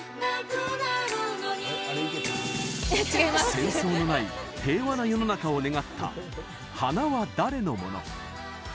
戦争のない平和な世の中を願った「花は誰のもの？」。